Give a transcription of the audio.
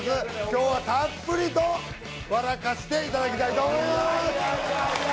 今日はたっぷりと笑かしていただきたいと思います